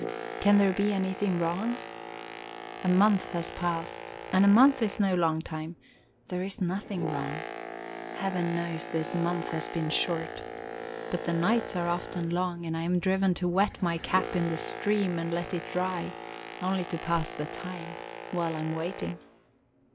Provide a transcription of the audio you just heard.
Can there be anything wrong? A month has passed, and a month is no long time; there is nothing wrong. Heaven knows this month has been short. But the nights are often long, and I am driven to wet my cap in the stream and let it dry, only to pass the time, while I am waiting.